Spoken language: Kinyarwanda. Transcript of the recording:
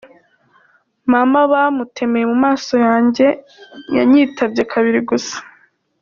Mama bamutemeye mu maso yanjye, yanyitabye kabiri gusa.